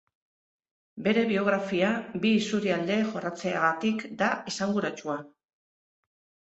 Bere biografia bi isurialde jorratzeagatik da esanguratsua.